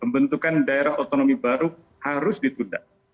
pembentukan daerah otonomi baru harus ditunda